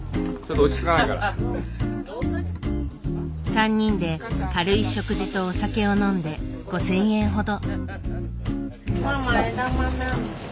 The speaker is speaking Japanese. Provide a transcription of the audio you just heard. ３人で軽い食事とお酒を飲んで５，０００円ほど。